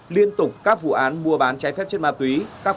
liên tục các vụ án mua bán trái phép chất ma túy